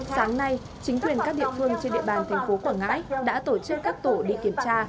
sáng nay chính quyền các địa phương trên địa bàn thành phố quảng ngãi đã tổ chức các tổ đi kiểm tra